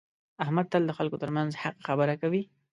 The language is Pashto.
احمد تل د خلکو ترمنځ حقه خبره کوي.